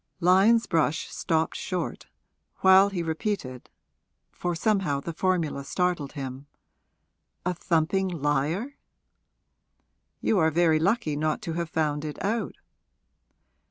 Lyon's brush stopped short, while he repeated, for somehow the formula startled him, 'A thumping liar?' 'You are very lucky not to have found it out.'